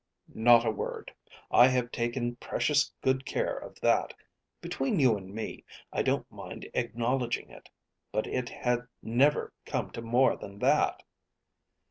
"Not a word. I have taken precious good care of that. Between you and me, I don't mind acknowledging it. But it had never come to more than that."